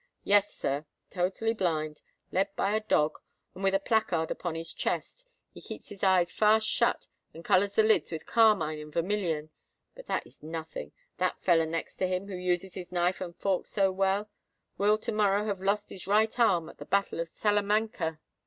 "Yes, sir—totally blind; led by a dog, and with a placard upon his chest. He keeps his eyes fast shut, and colours the lids with carmine and vermilion. But that is nothing. That feller next to him, who uses his knife and fork so well, will to morrow have lost his right arm at the battle of Salamanca."